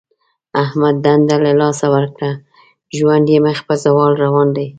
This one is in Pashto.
احمد دنده له لاسه ورکړه. ژوند یې مخ په زوال روان دی.